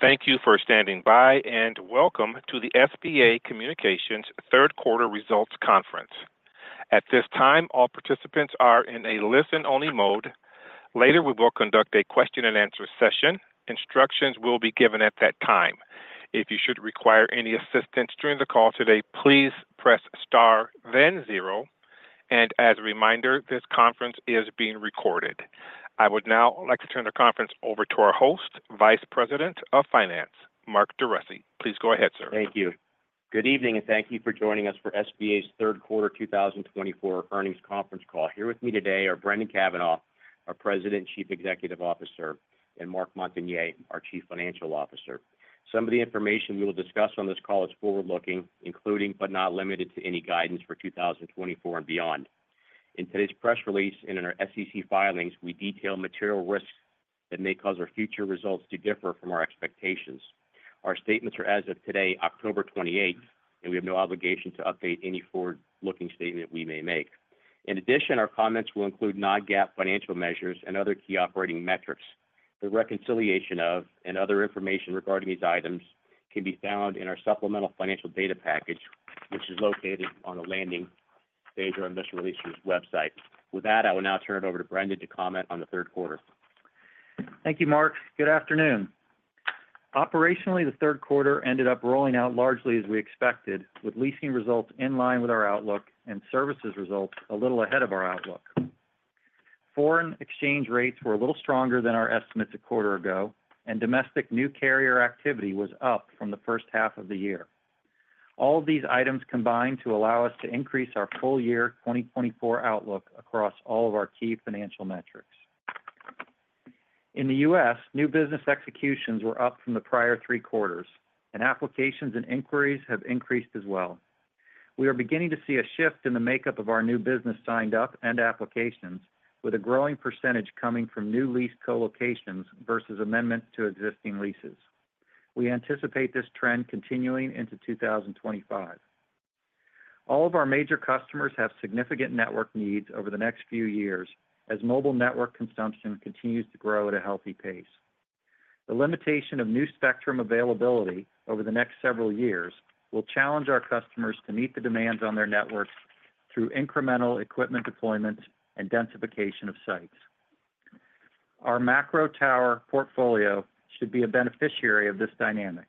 Thank you for standing by, and welcome to the SBA Communications Third Quarter Results Conference. At this time, all participants are in a listen-only mode. Later, we will conduct a question-and-answer session. Instructions will be given at that time. If you should require any assistance during the call today, please press star then zero. And as a reminder, this conference is being recorded. I would now like to turn the conference over to our host, Vice President of Finance, Mark DeRussy. Please go ahead, sir. Thank you. Good evening, and thank you for joining us for SBA's third quarter two thousand and twenty-four earnings conference call. Here with me today are Brendan Cavanagh, our President and Chief Executive Officer, and Marc Montagner, our Chief Financial Officer. Some of the information we will discuss on this call is forward-looking, including but not limited to, any guidance for two thousand and twenty-four and beyond. In today's press release and in our SEC filings, we detail material risks that may cause our future results to differ from our expectations. Our statements are as of today, October twenty-eight, and we have no obligation to update any forward-looking statement we may make. In addition, our comments will include non-GAAP financial measures and other key operating metrics. The reconciliation of and other information regarding these items can be found in our supplemental financial data package, which is located on the landing page on the Investor Relations website. With that, I will now turn it over to Brendan to comment on the third quarter. Thank you, Mark. Good afternoon. Operationally, the third quarter ended up rolling out largely as we expected, with leasing results in line with our outlook and services results a little ahead of our outlook. Foreign exchange rates were a little stronger than our estimates a quarter ago, and domestic new carrier activity was up from the first half of the year. All of these items combined to allow us to increase our full year 2024 outlook across all of our key financial metrics. In the U.S., new business executions were up from the prior three quarters, and applications and inquiries have increased as well. We are beginning to see a shift in the makeup of our new business signed up and applications, with a growing percentage coming from new lease co-locations versus amendments to existing leases. We anticipate this trend continuing into 2025. All of our major customers have significant network needs over the next few years as mobile network consumption continues to grow at a healthy pace. The limitation of new spectrum availability over the next several years will challenge our customers to meet the demands on their networks through incremental equipment deployment and densification of sites. Our macro tower portfolio should be a beneficiary of this dynamic.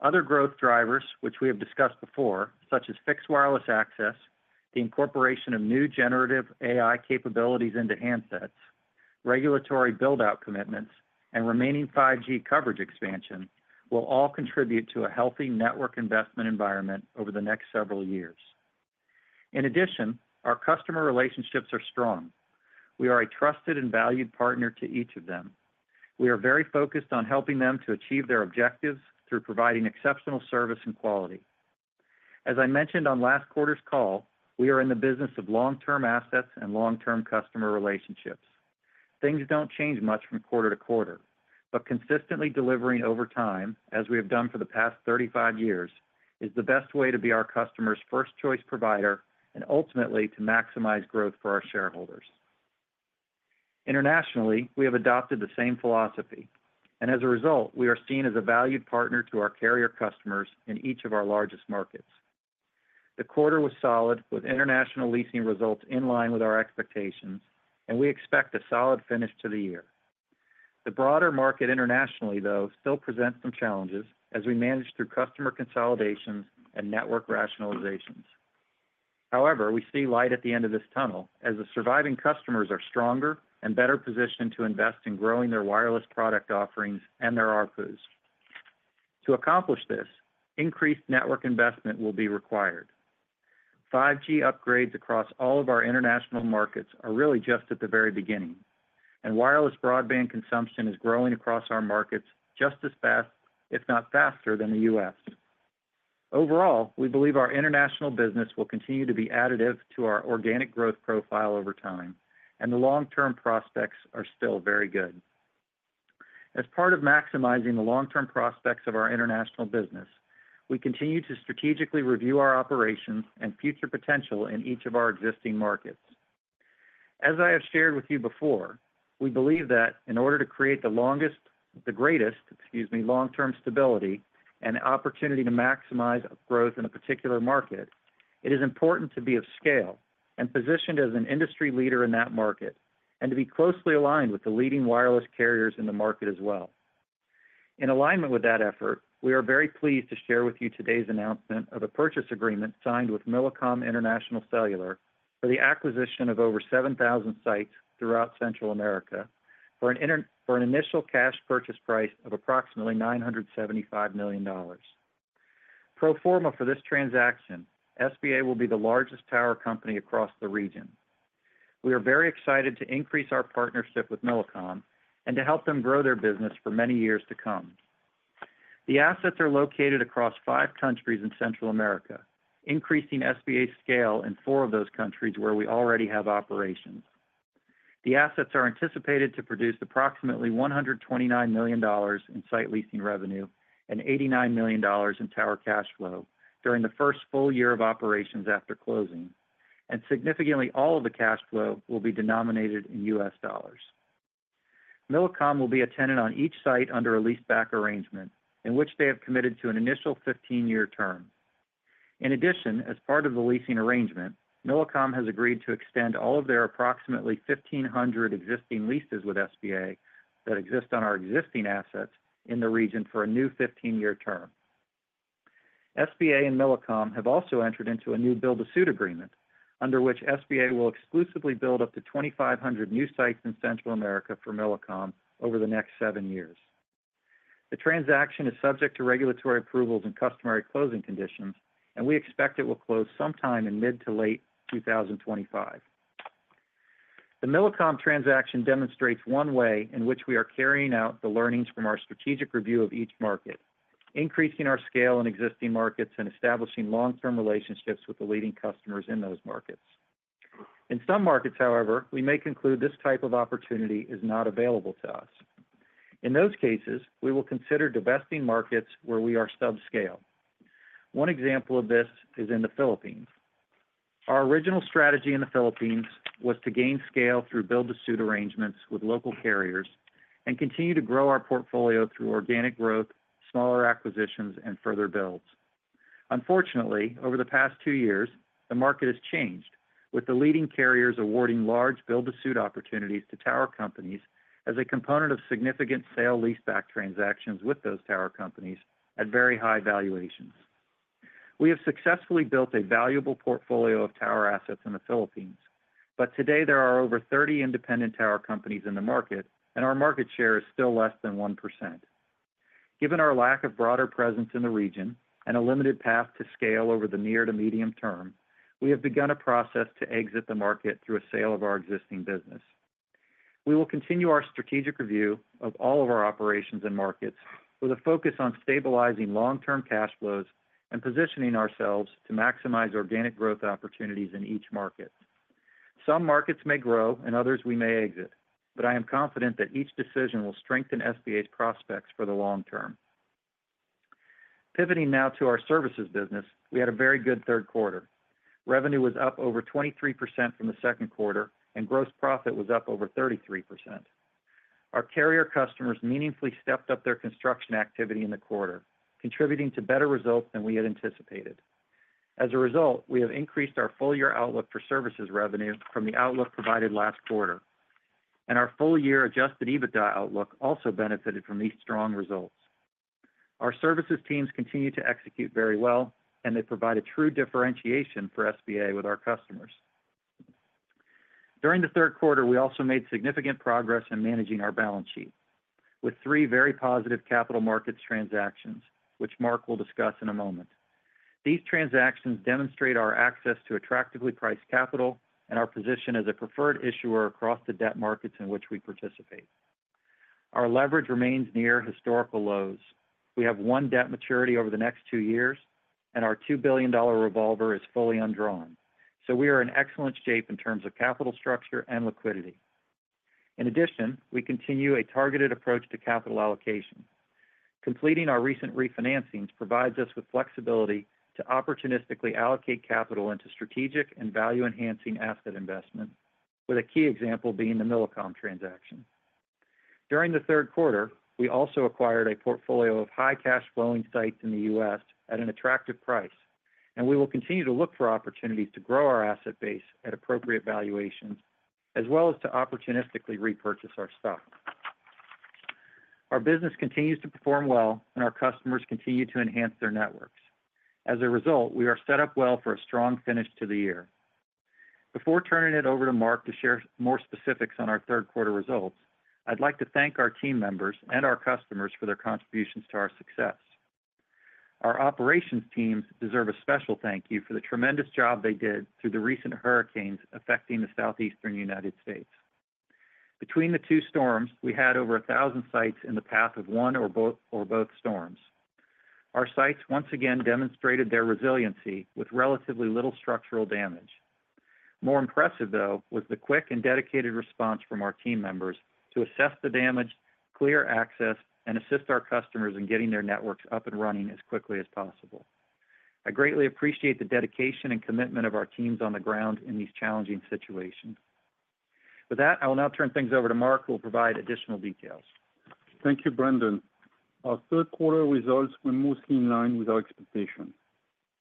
Other growth drivers, which we have discussed before, such as fixed wireless access, the incorporation of new generative AI capabilities into handsets, regulatory build-out commitments, and remaining 5G coverage expansion, will all contribute to a healthy network investment environment over the next several years. In addition, our customer relationships are strong. We are a trusted and valued partner to each of them. We are very focused on helping them to achieve their objectives through providing exceptional service and quality. As I mentioned on last quarter's call, we are in the business of long-term assets and long-term customer relationships. Things don't change much from quarter to quarter, but consistently delivering over time, as we have done for the past 35 years, is the best way to be our customer's first choice provider and ultimately to maximize growth for our shareholders. Internationally, we have adopted the same philosophy, and as a result, we are seen as a valued partner to our carrier customers in each of our largest markets. The quarter was solid, with international leasing results in line with our expectations, and we expect a solid finish to the year. The broader market internationally, though, still presents some challenges as we manage through customer consolidations and network rationalizations. However, we see light at the end of this tunnel as the surviving customers are stronger and better positioned to invest in growing their wireless product offerings and their ARPUs. To accomplish this, increased network investment will be required. 5G upgrades across all of our international markets are really just at the very beginning, and wireless broadband consumption is growing across our markets just as fast, if not faster, than the U.S. Overall, we believe our international business will continue to be additive to our organic growth profile over time, and the long-term prospects are still very good. As part of maximizing the long-term prospects of our international business, we continue to strategically review our operations and future potential in each of our existing markets. As I have shared with you before, we believe that in order to create the greatest, excuse me, long-term stability and opportunity to maximize growth in a particular market, it is important to be of scale and positioned as an industry leader in that market, and to be closely aligned with the leading wireless carriers in the market as well. In alignment with that effort, we are very pleased to share with you today's announcement of a purchase agreement signed with Millicom International Cellular for the acquisition of over 7,000 sites throughout Central America for an initial cash purchase price of approximately $975 million. Pro forma for this transaction, SBA will be the largest tower company across the region. We are very excited to increase our partnership with Millicom and to help them grow their business for many years to come. The assets are located across five countries in Central America, increasing SBA's scale in four of those countries where we already have operations. The assets are anticipated to produce approximately $129 million in site leasing revenue and $89 million in tower cash flow during the first full year of operations after closing, and significantly, all of the cash flow will be denominated in U.S. dollars. Millicom will be a tenant on each site under a leaseback arrangement, in which they have committed to an initial 15-year term. In addition, as part of the leasing arrangement, Millicom has agreed to extend all of their approximately 1,500 existing leases with SBA that exist on our existing assets in the region for a new 15-year term. SBA and Millicom have also entered into a new build-to-suit agreement, under which SBA will exclusively build up to 2,500 new sites in Central America for Millicom over the next seven years. The transaction is subject to regulatory approvals and customary closing conditions, and we expect it will close sometime in mid- to late 2025. The Millicom transaction demonstrates one way in which we are carrying out the learnings from our strategic review of each market, increasing our scale in existing markets and establishing long-term relationships with the leading customers in those markets. In some markets, however, we may conclude this type of opportunity is not available to us. In those cases, we will consider divesting markets where we are subscale. One example of this is in the Philippines. Our original strategy in the Philippines was to gain scale through build-to-suit arrangements with local carriers and continue to grow our portfolio through organic growth, smaller acquisitions, and further builds. Unfortunately, over the past two years, the market has changed, with the leading carriers awarding large build-to-suit opportunities to tower companies as a component of significant sale-leaseback transactions with those tower companies at very high valuations. We have successfully built a valuable portfolio of tower assets in the Philippines, but today there are over thirty independent tower companies in the market, and our market share is still less than 1%. Given our lack of broader presence in the region and a limited path to scale over the near to medium term, we have begun a process to exit the market through a sale of our existing business. We will continue our strategic review of all of our operations and markets with a focus on stabilizing long-term cash flows and positioning ourselves to maximize organic growth opportunities in each market. Some markets may grow and others we may exit, but I am confident that each decision will strengthen SBA's prospects for the long term. Pivoting now to our services business, we had a very good third quarter. Revenue was up over 23% from the second quarter, and gross profit was up over 33%. Our carrier customers meaningfully stepped up their construction activity in the quarter, contributing to better results than we had anticipated. As a result, we have increased our full-year outlook for services revenue from the outlook provided last quarter, and our full-year adjusted EBITDA outlook also benefited from these strong results. Our services teams continue to execute very well, and they provide a true differentiation for SBA with our customers. During the third quarter, we also made significant progress in managing our balance sheet, with three very positive capital markets transactions, which Marc will discuss in a moment. These transactions demonstrate our access to attractively priced capital and our position as a preferred issuer across the debt markets in which we participate. Our leverage remains near historical lows. We have one debt maturity over the next two years, and our $2 billion revolver is fully undrawn. So we are in excellent shape in terms of capital structure and liquidity. In addition, we continue a targeted approach to capital allocation. Completing our recent refinancings provides us with flexibility to opportunistically allocate capital into strategic and value-enhancing asset investment, with a key example being the Millicom transaction. During the third quarter, we also acquired a portfolio of high cash flowing sites in the U.S. at an attractive price, and we will continue to look for opportunities to grow our asset base at appropriate valuations, as well as to opportunistically repurchase our stock. Our business continues to perform well and our customers continue to enhance their networks. As a result, we are set up well for a strong finish to the year. Before turning it over to Marc to share more specifics on our third quarter results, I'd like to thank our team members and our customers for their contributions to our success. Our operations teams deserve a special thank you for the tremendous job they did through the recent hurricanes affecting the southeastern United States. Between the two storms, we had over a thousand sites in the path of one or both storms. Our sites once again demonstrated their resiliency with relatively little structural damage. More impressive, though, was the quick and dedicated response from our team members to assess the damage, clear access, and assist our customers in getting their networks up and running as quickly as possible. I greatly appreciate the dedication and commitment of our teams on the ground in these challenging situations. With that, I will now turn things over to Marc, who will provide additional details. Thank you, Brendan. Our third quarter results were mostly in line with our expectations.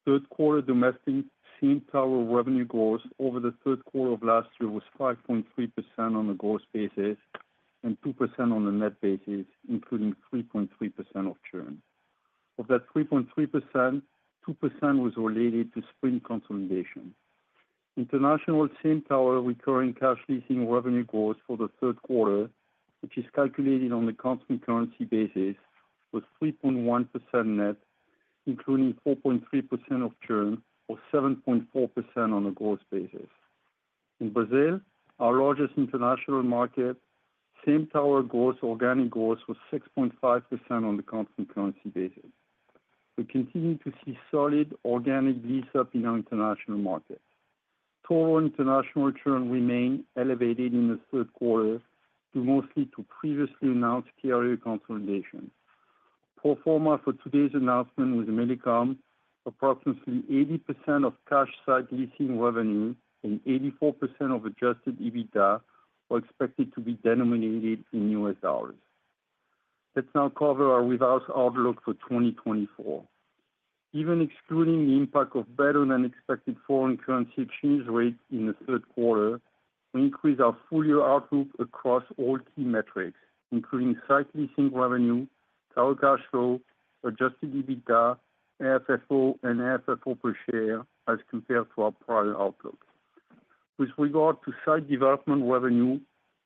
Third quarter domestic same tower revenue growth over the third quarter of last year was 5.3% on a gross basis and 2% on a net basis, including 3.3% of churn. Of that 3.3%, 2% was related to Sprint consolidation. International same tower recurring cash leasing revenue growth for the third quarter, which is calculated on a constant currency basis, was 3.1% net, including 4.3% of churn, or 7.4% on a gross basis. In Brazil, our largest international market, same tower growth, organic growth was 6.5% on the constant currency basis. We continue to see solid organic lease-up in our international markets. Total international churn remained elevated in the third quarter due mostly to previously announced carrier consolidation. Pro forma for today's announcement with Millicom, approximately 80% of cash site leasing revenue and 84% of Adjusted EBITDA are expected to be denominated in U.S. dollars. Let's now cover our results outlook for 2024. Even excluding the impact of better-than-expected foreign currency exchange rates in the third quarter, we increased our full-year outlook across all key metrics, including site leasing revenue, tower cash flow, Adjusted EBITDA, AFFO, and AFFO per share as compared to our prior outlook. With regard to site development revenue,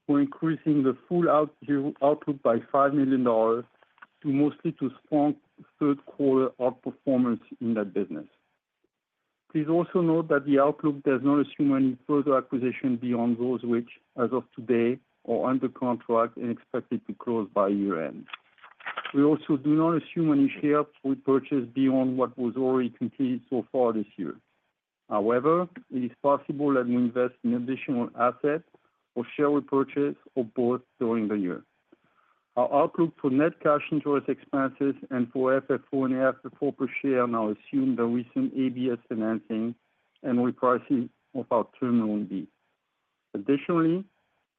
we're increasing the full-year outlook by $5 million due mostly to strong third quarter outperformance in that business. Please also note that the outlook does not assume any further acquisition beyond those which, as of today, are under contract and expected to close by year-end. We also do not assume any share repurchases beyond what was already completed so far this year. However, it is possible that we invest in additional assets or share repurchase or both during the year. Our outlook for net cash interest expenses and for FFO and AFFO per share now assume the recent ABS financing and repricing of our Term Loan B. Additionally,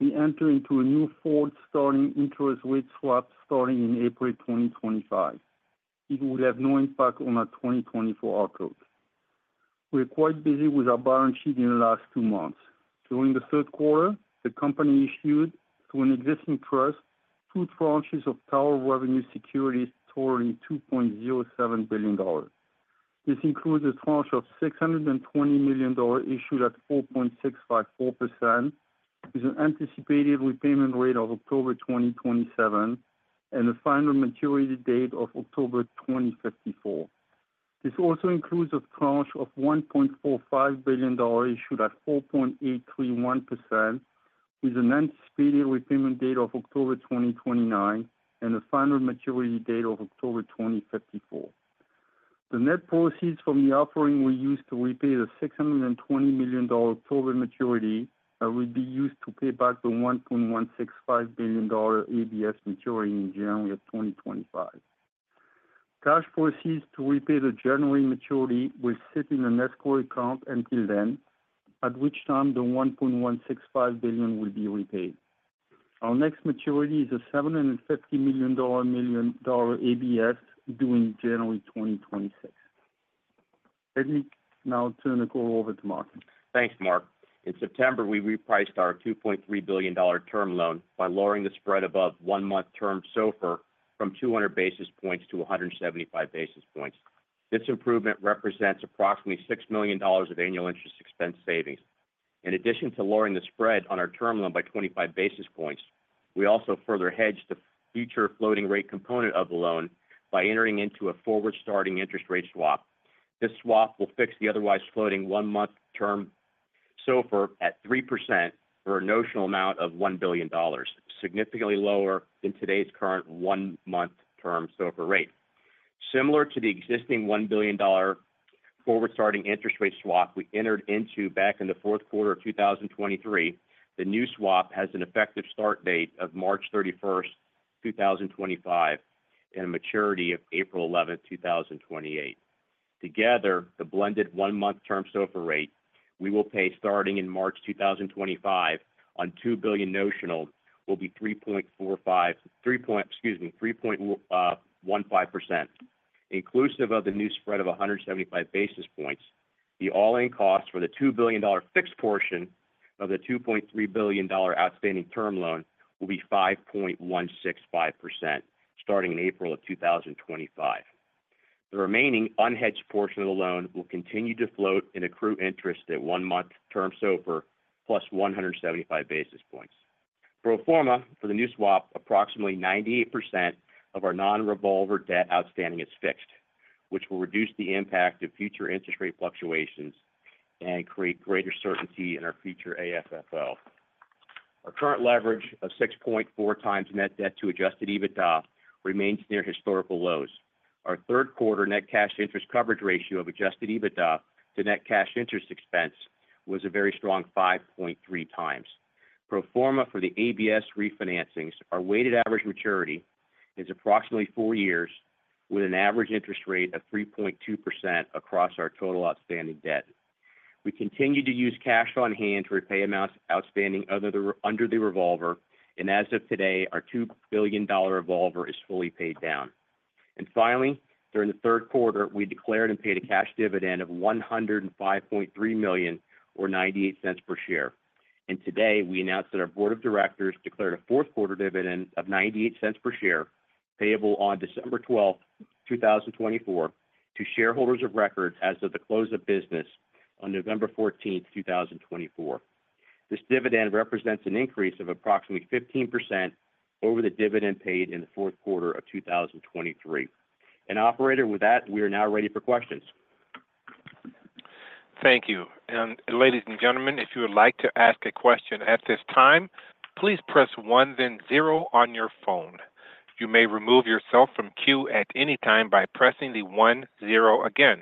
we enter into a new forward starting interest rate swap starting in April 2025. It will have no impact on our 2024 outlook. We're quite busy with our balance sheet in the last two months. During the third quarter, the company issued, to an existing trust, two tranches of tower revenue securities totaling $2.07 billion. This includes a tranche of $620 million issued at 4.654%, with an anticipated repayment rate of October 2027, and a final maturity date of October 2054. This also includes a tranche of $1.45 billion, issued at 4.831%, with an anticipated repayment date of October 2029, and a final maturity date of October 2054. The net proceeds from the offering were used to repay the six hundred and twenty million dollar total maturity, will be used to pay back the $1.165 billion ABS maturing in January 2025. Cash proceeds to repay the January maturity will sit in an escrow account until then, at which time the $1.165 billion will be repaid. Our next maturity is a $750 million ABS, due in January 2026. Let me now turn the call over to Marc. Thanks, Marc. In September, we repriced our $2.3 billion Term Loan By lowering the spread above one-month Term SOFR, from 200 basis points to 175 basis points. This improvement represents approximately $6 million of annual interest expense savings. In addition to lowering the spread on our Term Loan By 25 basis points, we also further hedged the future floating rate component of the loan by entering into a forward-starting interest rate swap. This swap will fix the otherwise floating one-month Term SOFR at 3% for a notional amount of $1 billion, significantly lower than today's current one-month Term SOFR rate. Similar to the existing $1 billion forward-starting interest rate swap we entered into back in the fourth quarter of 2023, the new swap has an effective start date of March 31, 2025, and a maturity of April 11, 2028. Together, the blended one-month Term SOFR rate we will pay starting in March 2025 on $2 billion notional will be three point four five, excuse me, three point one five%. Inclusive of the new spread of 175 basis points, the all-in cost for the $2 billion fixed portion of the $2.3 billion outstanding term loan will be 5.165%, starting in April of 2025. The remaining unhedged portion of the loan will continue to float and accrue interest at one month Term SOFR plus one hundred and seventy-five basis points. Pro forma for the new swap, approximately 98% of our non-revolver debt outstanding is fixed, which will reduce the impact of future interest rate fluctuations and create greater certainty in our future AFFO. Our current leverage of 6.4 times net debt to adjusted EBITDA remains near historical lows. Our third quarter net cash interest coverage ratio of adjusted EBITDA to net cash interest expense was a very strong 5.3 times. Pro forma for the ABS refinancings, our weighted average maturity is approximately four years, with an average interest rate of 3.2% across our total outstanding debt. We continue to use cash on hand to repay amounts outstanding under the revolver, and as of today, our $2 billion revolver is fully paid down. Finally, during the third quarter, we declared and paid a cash dividend of $105.3 million or $0.98 per share. Today, we announced that our board of directors declared a fourth quarter dividend of $0.98 per share, payable on December twelfth, 2024, to shareholders of record as of the close of business on November fourteenth, 2024. This dividend represents an increase of approximately 15% over the dividend paid in the fourth quarter of 2023. Operator, with that, we are now ready for questions. Thank you. And ladies and gentlemen, if you would like to ask a question at this time, please press one, then zero on your phone. You may remove yourself from queue at any time by pressing the one, zero again,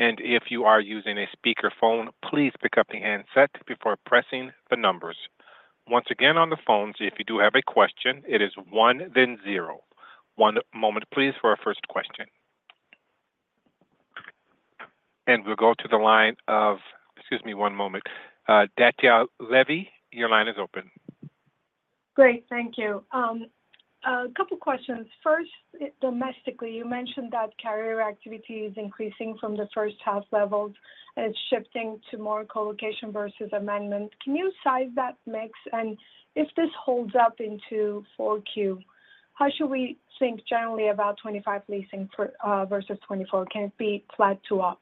and if you are using a speakerphone, please pick up the handset before pressing the numbers. Once again, on the phones, if you do have a question, it is one, then zero. One moment, please, for our first question. And we'll go to the line of -- Excuse me, one moment. Batya Levi, your line is open. Great, thank you. A couple questions. First, domestically, you mentioned that carrier activity is increasing from the first half levels, and it's shifting to more co-location versus amendment. Can you size that mix? And if this holds up into Q4, how should we think generally about 2025 leasing for versus 2024? Can it be flat to up?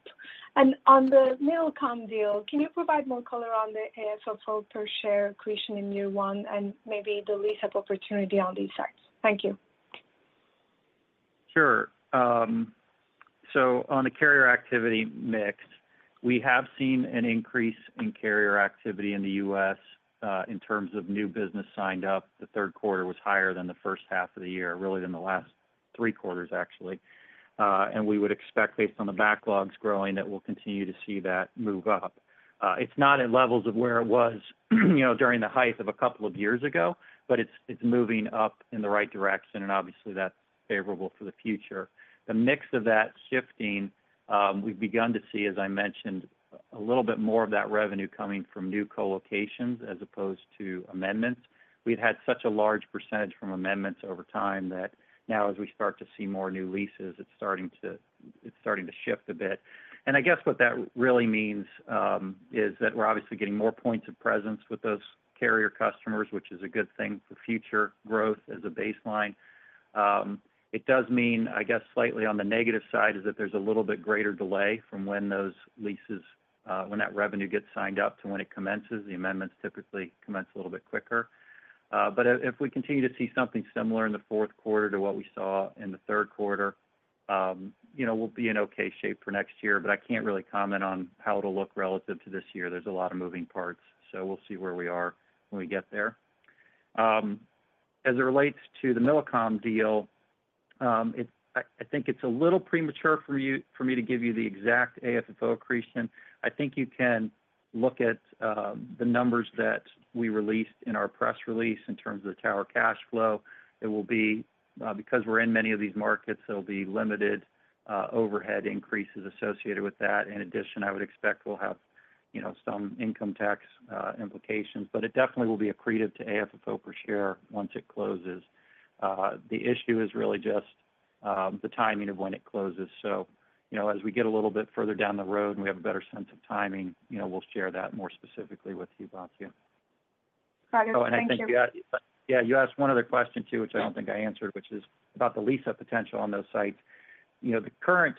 And on the Millicom deal, can you provide more color on the AFFO per share creation in year one, and maybe the lease-up opportunity on these sites? Thank you. Sure. So on the carrier activity mix, we have seen an increase in carrier activity in the U.S., in terms of new business signed up. The third quarter was higher than the first half of the year, really than the last three quarters, actually. And we would expect, based on the backlogs growing, that we'll continue to see that move up. It's not at levels of where it was, you know, during the height of a couple of years ago, but it's, it's moving up in the right direction, and obviously, that's favorable for the future. The mix of that shifting, we've begun to see, as I mentioned, a little bit more of that revenue coming from new co-locations as opposed to amendments. We've had such a large percentage from amendments over time that now as we start to see more new leases, it's starting to shift a bit. I guess what that really means is that we're obviously getting more points of presence with those carrier customers, which is a good thing for future growth as a baseline. It does mean, I guess, slightly on the negative side, that there's a little bit greater delay from when those leases when that revenue gets signed up to when it commences. The amendments typically commence a little bit quicker, but if we continue to see something similar in the fourth quarter to what we saw in the third quarter, you know, we'll be in okay shape for next year, but I can't really comment on how it'll look relative to this year. There's a lot of moving parts, so we'll see where we are when we get there. As it relates to the Millicom deal, I think it's a little premature for you, for me to give you the exact AFFO accretion. I think you can look at the numbers that we released in our press release in terms of the tower cash flow. It will be, because we're in many of these markets, there'll be limited overhead increases associated with that. In addition, I would expect we'll have, you know, some income tax implications, but it definitely will be accretive to AFFO per share once it closes. The issue is really just the timing of when it closes. So, you know, as we get a little bit further down the road, and we have a better sense of timing, you know, we'll share that more specifically with you, Batya. Got it. Thank you. Oh, and I think, yeah, yeah, you asked one other question, too, which I don't think I answered, which is about the lease-up potential on those sites. You know, the current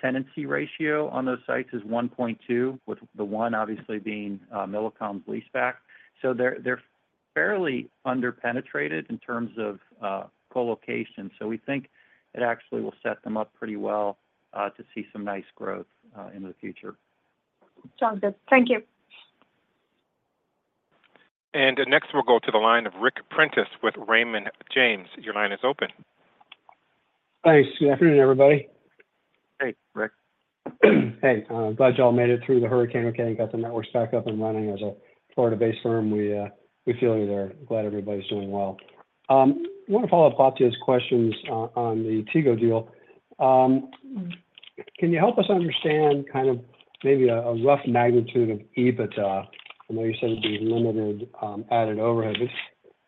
tenancy ratio on those sites is one point two, with the one obviously being Millicom's leaseback. So they're fairly underpenetrated in terms of co-location. So we think it actually will set them up pretty well to see some nice growth in the future. Sounds good. Thank you. Next, we'll go to the line of Ric Prentiss with Raymond James. Your line is open. Thanks. Good afternoon, everybody. Hey, Rick. Hey, I'm glad you all made it through the hurricane, okay, and got the networks back up and running. As a Florida-based firm, we feel you there. Glad everybody's doing well. I want to follow up Batya's questions on the Tigo deal. Can you help us understand kind of maybe a rough magnitude of EBITDA? I know you said it'd be limited added overhead, but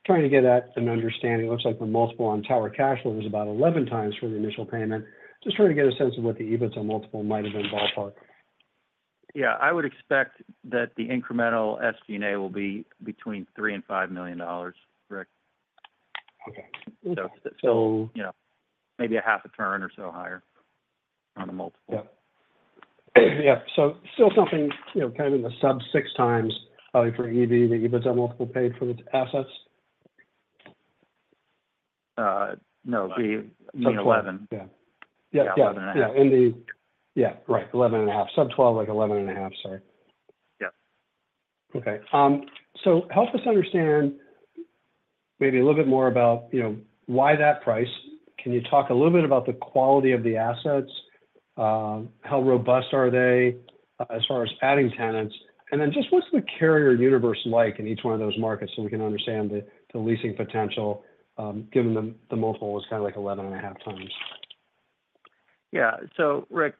trying to get at an understanding. It looks like the multiple on tower cash flow was about eleven times for the initial payment. Just trying to get a sense of what the EBITDA multiple might have been ballpark. Yeah, I would expect that the incremental SG&A will be between $3 million and $5 million, Ric. Okay. So, you know, maybe a half a turn or so higher on the multiple. Yeah. Yeah, so still something, you know, kind of in the sub six times, probably for EV, the EBITDA multiple paid for the assets? No, the eleven. Yeah. Yeah, eleven and a half. Eleven and a half. Sub twelve, like eleven and a half, sorry. Yeah. Okay, so help us understand maybe a little bit more about, you know, why that price? Can you talk a little bit about the quality of the assets? How robust are they, as far as adding tenants? And then just what's the carrier universe like in each one of those markets, so we can understand the leasing potential, given the multiple is kind of like 11.5 times. Yeah. So Ric,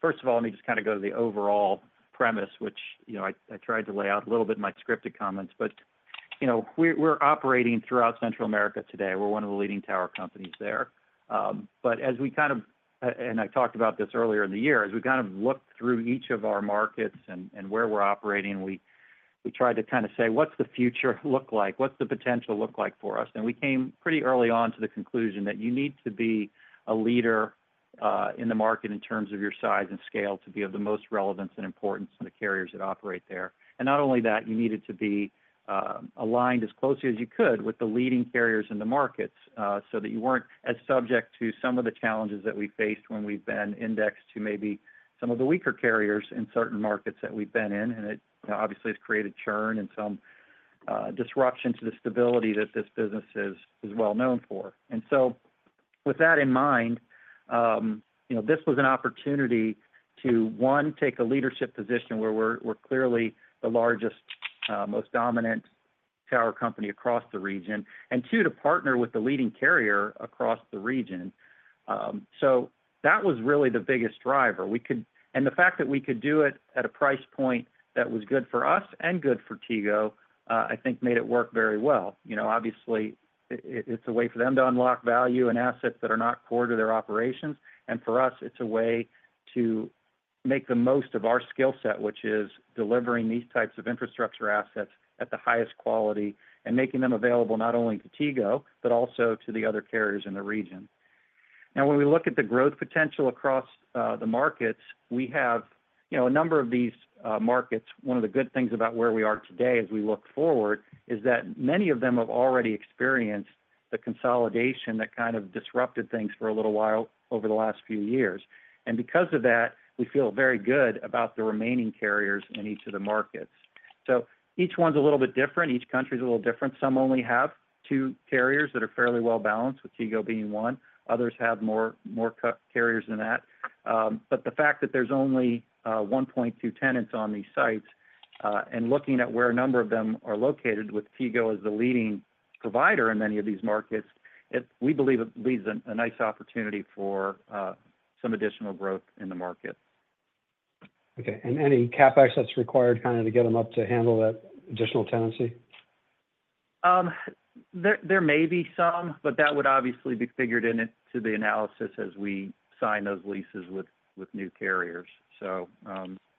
first of all, let me just kind of go to the overall premise, which, you know, I tried to lay out a little bit in my scripted comments. But, you know, we're operating throughout Central America today. We're one of the leading tower companies there. But as we kind of and I talked about this earlier in the year, as we kind of looked through each of our markets and where we're operating, we tried to kind of say: What's the future look like? What's the potential look like for us? And we came pretty early on to the conclusion that you need to be a leader in the market in terms of your size and scale, to be of the most relevance and importance to the carriers that operate there. Not only that, you needed to be aligned as closely as you could with the leading carriers in the markets, so that you weren't as subject to some of the challenges that we faced when we've been indexed to maybe some of the weaker carriers in certain markets that we've been in. And it, you know, obviously has created churn and some disruption to the stability that this business is well known for. With that in mind, you know, this was an opportunity to, one, take a leadership position where we're clearly the largest, most dominant tower company across the region, and two, to partner with the leading carrier across the region, so that was really the biggest driver. The fact that we could do it at a price point that was good for us and good for Tigo, I think made it work very well. You know, obviously, it, it's a way for them to unlock value and assets that are not core to their operations, and for us, it's a way to make the most of our skill set, which is delivering these types of infrastructure assets at the highest quality, and making them available not only to Tigo, but also to the other carriers in the region. Now, when we look at the growth potential across the markets, we have, you know, a number of these markets. One of the good things about where we are today as we look forward, is that many of them have already experienced the consolidation that kind of disrupted things for a little while over the last few years, and because of that, we feel very good about the remaining carriers in each of the markets, so each one's a little bit different, each country's a little different. Some only have two carriers that are fairly well balanced, with Tigo being one. Others have more carriers than that, but the fact that there's only one point two tenants on these sites, and looking at where a number of them are located with Tigo as the leading provider in many of these markets, it we believe it leaves a nice opportunity for some additional growth in the market. Okay, and any CapEx that's required, kind of, to get them up to handle that additional tenancy? There may be some, but that would obviously be figured into the analysis as we sign those leases with new carriers. So,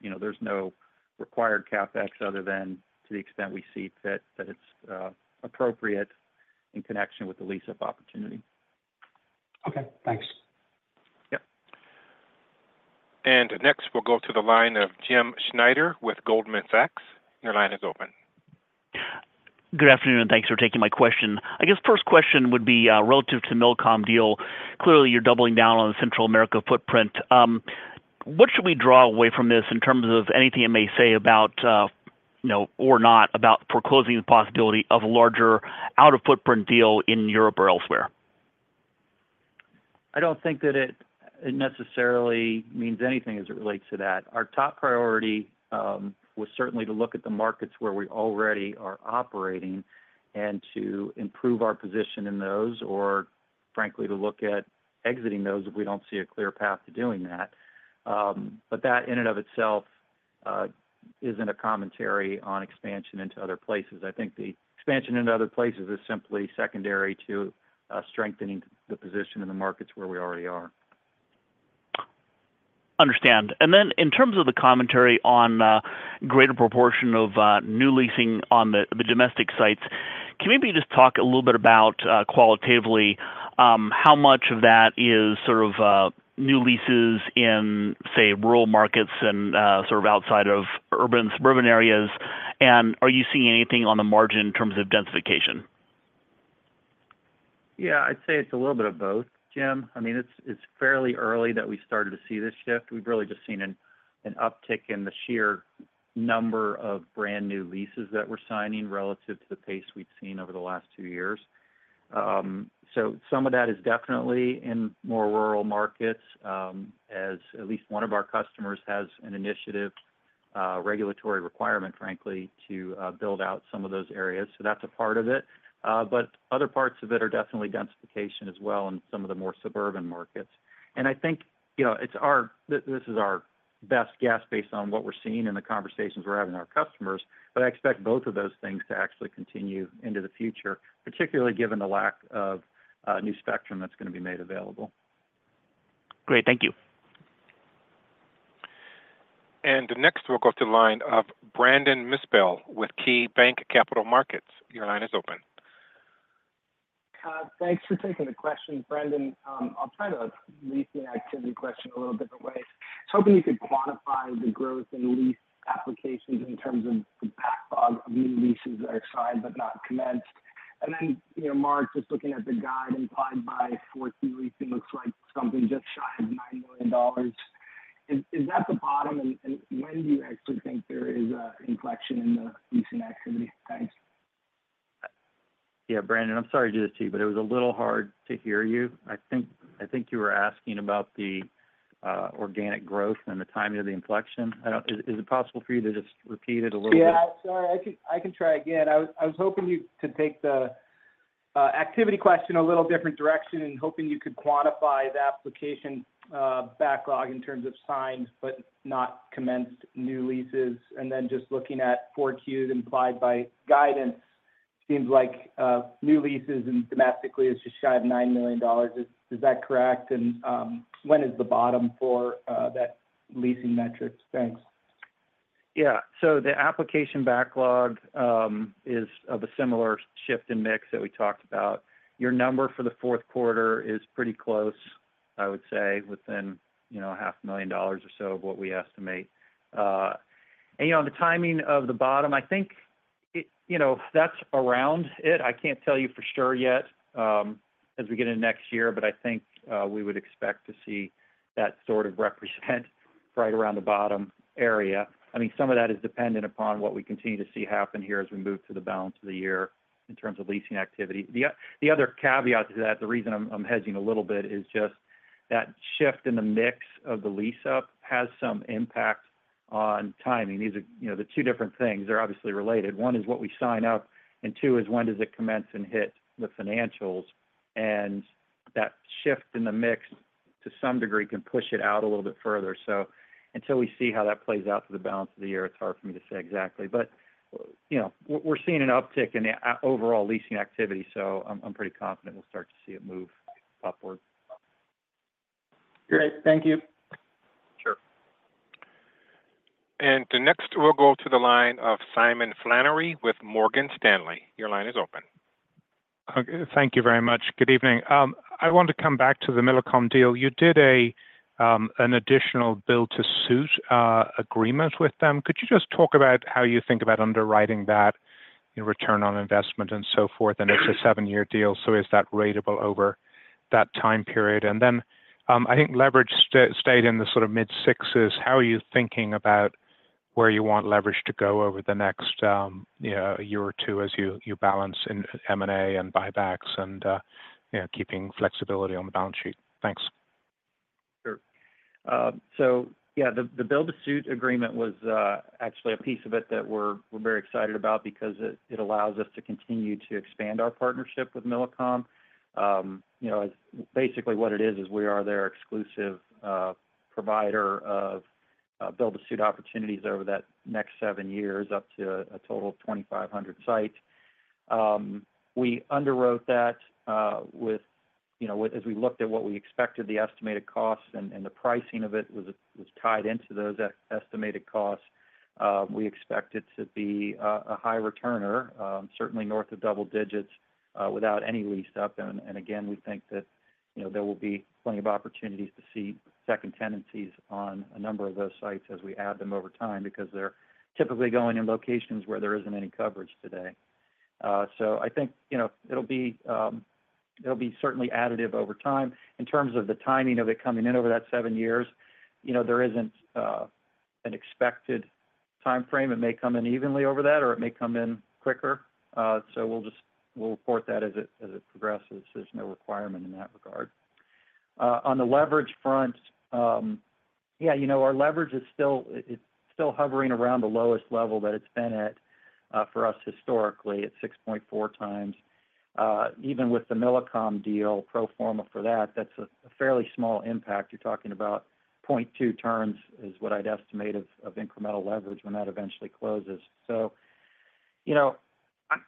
you know, there's no required CapEx other than to the extent we see that it's appropriate in connection with the lease-up opportunity. Okay, thanks. Yep. Next, we'll go to the line of Jim Schneider with Goldman Sachs. Your line is open. Good afternoon, and thanks for taking my question. I guess first question would be, relative to Millicom deal. Clearly, you're doubling down on the Central America footprint. What should we draw away from this in terms of anything it may say about, you know, or not, about foreclosing the possibility of a larger out-of-footprint deal in Europe or elsewhere? I don't think that it necessarily means anything as it relates to that. Our top priority was certainly to look at the markets where we already are operating and to improve our position in those or frankly, to look at exiting those if we don't see a clear path to doing that. But that in and of itself isn't a commentary on expansion into other places. I think the expansion into other places is simply secondary to strengthening the position in the markets where we already are. Understand. And then in terms of the commentary on greater proportion of new leasing on the domestic sites, can you maybe just talk a little bit about qualitatively how much of that is sort of new leases in say rural markets and sort of outside of urban suburban areas? And are you seeing anything on the margin in terms of densification? Yeah, I'd say it's a little bit of both, Jim. I mean, it's fairly early that we started to see this shift. We've really just seen an uptick in the sheer number of brand-new leases that we're signing, relative to the pace we've seen over the last two years. So some of that is definitely in more rural markets, as at least one of our customers has an initiative, regulatory requirement, frankly, to build out some of those areas. So that's a part of it. But other parts of it are definitely densification as well, in some of the more suburban markets. I think, you know, it's our best guess based on what we're seeing in the conversations we're having with our customers, but I expect both of those things to actually continue into the future, particularly given the lack of new spectrum that's gonna be made available. Great. Thank you. And next, we'll go to the line of Brandon Nispel with KeyBanc Capital Markets. Your line is open. Thanks for taking the question. Brendan, I'll try to leave the leasing activity question a little bit away. I was hoping you could quantify the growth in the lease applications in terms of the backlog of new leases that are signed, but not commenced. And then, you know, Marc, just looking at the guide implied by Q4 leasing, looks like something just shy of $9 million. Is that the bottom, and when do you actually think there is an inflection in the leasing activity? Thanks. Yeah, Brendan, I'm sorry to do this to you, but it was a little hard to hear you. I think, I think you were asking about the organic growth and the timing of the inflection. Is it possible for you to just repeat it a little bit? Yeah, sorry. I can try again. I was hoping you could take the activity question a little different direction, and hoping you could quantify the application backlog in terms of signs, but not commenced new leases. And then just looking at four Qs implied by guidance, seems like new leases domestically is just shy of $9 million. Is that correct? And when is the bottom for that leasing metrics? Thanks. Yeah. So the application backlog is of a similar shift in mix that we talked about. Your number for the fourth quarter is pretty close, I would say, within, you know, $500,000 or so of what we estimate. And, you know, on the timing of the bottom, I think it, you know, that's around it. I can't tell you for sure yet, as we get into next year, but I think, we would expect to see that sort of right around the bottom area. I mean, some of that is dependent upon what we continue to see happen here as we move to the balance of the year in terms of leasing activity. The other caveat to that, the reason I'm hedging a little bit, is just that shift in the mix of the lease-up has some impact on timing. These are, you know, the two different things. They're obviously related. One is what we sign up, and two is when does it commence and hit the financials, and that shift in the mix, to some degree, can push it out a little bit further. So until we see how that plays out for the balance of the year, it's hard for me to say exactly, but you know, we're seeing an uptick in the overall leasing activity, so I'm pretty confident we'll start to see it move upward. Great. Thank you. Sure. And next, we'll go to the line of Simon Flannery with Morgan Stanley. Your line is open. Okay. Thank you very much. Good evening. I want to come back to the Millicom deal. You did a, an additional build-to-suit agreement with them. Could you just talk about how you think about underwriting that in return on investment and so forth? And it's a seven-year deal, so is that ratable over that time period? And then, I think leverage stayed in the sort of mid-sixes. How are you thinking about where you want leverage to go over the next, you know, year or two as you balance in M&A and buybacks and, you know, keeping flexibility on the balance sheet? Thanks. Sure. So yeah, the build-to-suit agreement was actually a piece of it that we're very excited about because it allows us to continue to expand our partnership with Millicom. You know, basically what it is is we are their exclusive provider of build-to-suit opportunities over that next seven years, up to a total of 2,500 sites. We underwrote that with, you know, as we looked at what we expected, the estimated costs and the pricing of it was tied into those estimated costs. We expect it to be a high returner, certainly north of double digits, without any lease-up. We think that, you know, there will be plenty of opportunities to see second tenancies on a number of those sites as we add them over time, because they're typically going in locations where there isn't any coverage today. So I think, you know, it'll be certainly additive over time. In terms of the timing of it coming in over that seven years, you know, there isn't an expected time frame. It may come in evenly over that, or it may come in quicker. So we'll just we'll report that as it progresses. There's no requirement in that regard. On the leverage front, yeah, you know, our leverage is still, it's still hovering around the lowest level that it's been at for us historically, at 6.4 times. Even with the Millicom deal, pro forma for that, that's a fairly small impact. You're talking about point two turns, is what I'd estimate of incremental leverage when that eventually closes. So, you know,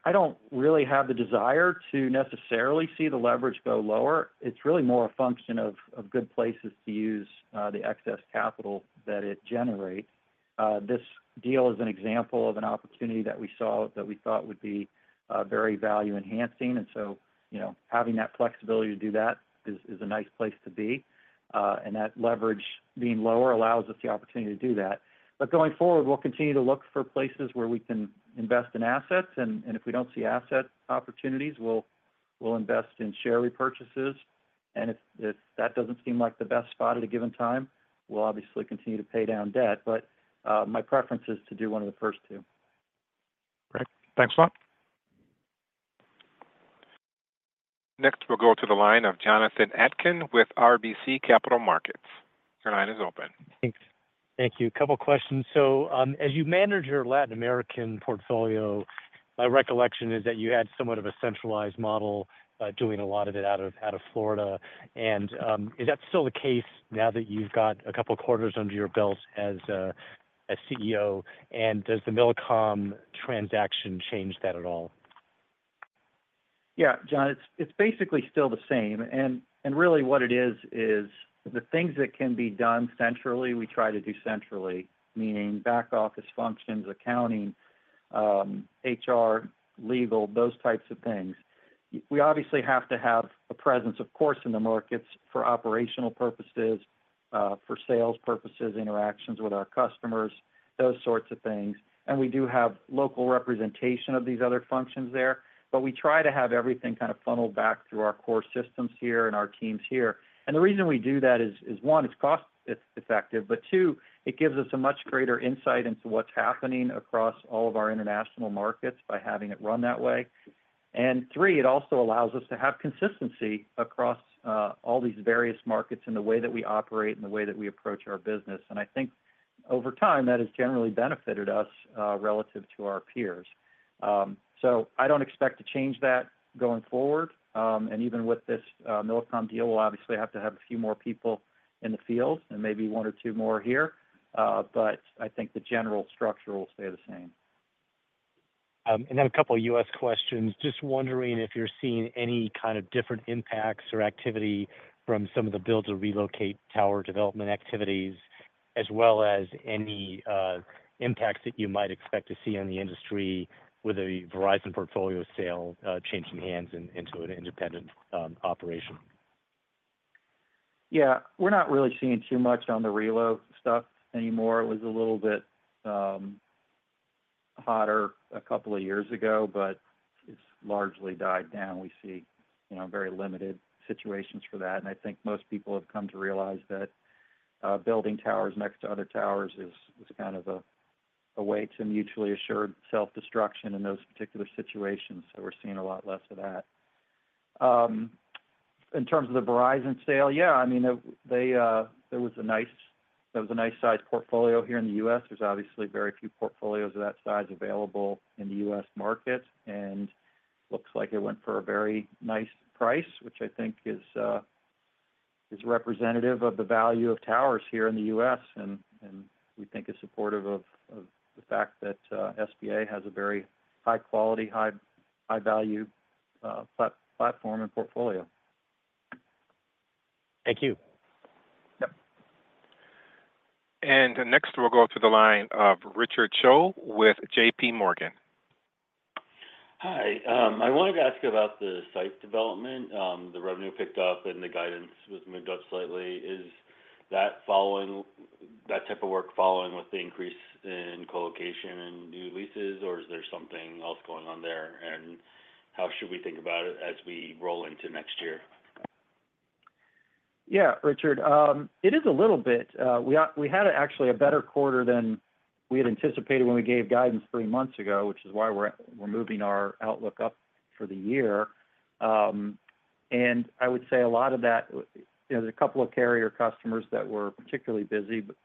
I don't really have the desire to necessarily see the leverage go lower. It's really more a function of good places to use the excess capital that it generates. This deal is an example of an opportunity that we saw that we thought would be very value enhancing, and so, you know, having that flexibility to do that is a nice place to be. And that leverage being lower allows us the opportunity to do that. But going forward, we'll continue to look for places where we can invest in assets, and if we don't see asset opportunities, we'll invest in share repurchases. And if that doesn't seem like the best spot at a given time, we'll obviously continue to pay down debt. But, my preference is to do one of the first two. Great. Thanks a lot. Next, we'll go to the line of Jonathan Atkin with RBC Capital Markets. Your line is open. Thanks. Thank you. A couple questions. So, as you managed your Latin American portfolio, my recollection is that you had somewhat of a centralized model, doing a lot of it out of Florida. And, is that still the case now that you've got a couple quarters under your belt as CEO? And does the Millicom transaction change that at all? Yeah, John, it's basically still the same. And really what it is, is the things that can be done centrally, we try to do centrally, meaning back office functions, accounting, HR, legal, those types of things. We obviously have to have a presence, of course, in the markets for operational purposes, for sales purposes, interactions with our customers, those sorts of things. And we do have local representation of these other functions there, but we try to have everything kind of funneled back through our core systems here and our teams here. And the reason we do that is one, it's cost effective, but two, it gives us a much greater insight into what's happening across all of our international markets by having it run that way. And three, it also allows us to have consistency across all these various markets in the way that we operate and the way that we approach our business. And I think over time, that has generally benefited us relative to our peers. So I don't expect to change that going forward. And even with this Millicom deal, we'll obviously have to have a few more people in the field and maybe one or two more here, but I think the general structure will stay the same. And then a couple of U.S. questions. Just wondering if you're seeing any kind of different impacts or activity from some of the build to relocate tower development activities, as well as any impacts that you might expect to see on the industry with a Verizon portfolio sale changing hands into an independent operation? Yeah. We're not really seeing too much on the reload stuff anymore. It was a little bit hotter a couple of years ago, but it's largely died down. We see, you know, very limited situations for that, and I think most people have come to realize that building towers next to other towers is kind of a way to mutually assured self-destruction in those particular situations, so we're seeing a lot less of that. In terms of the Verizon sale, yeah, I mean, there was a nice sized portfolio here in the U.S. There's obviously very few portfolios of that size available in the U.S. market, and looks like it went for a very nice price, which I think is representative of the value of towers here in the U.S., and we think is supportive of the fact that SBA has a very high quality, high value platform and portfolio. Thank you. Yep. Next, we'll go to the line of Richard Choe with JPMorgan. Hi, I wanted to ask about the site development. The revenue picked up and the guidance was moved up slightly. Is that following, that type of work following with the increase in co-location and new leases, or is there something else going on there? And how should we think about it as we roll into next year? Yeah, Richard, it is a little bit. We had actually a better quarter than we had anticipated when we gave guidance three months ago, which is why we're moving our outlook up for the year. And I would say a lot of that, you know, there's a couple of carrier customers that were particularly busy, but,